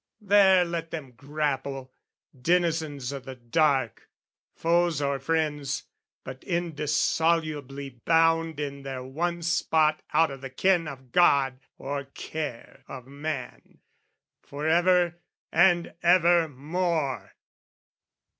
There let them grapple, denizens o' the dark, Foes or friends, but indissolubly bound, In their one spot out of the ken of God Or care of man, for ever and ever more!